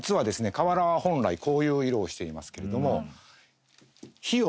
瓦は本来こういう色をしていますけれども。